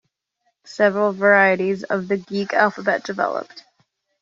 Several varieties of the Greek alphabet developed.